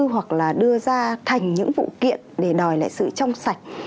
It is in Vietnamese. hoặc là đưa ra thành những vụ kiện để đòi lại sự trong sạch